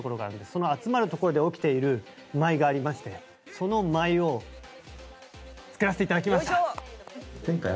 その集まるところで起きている舞がありましてその舞を作らせて頂きました！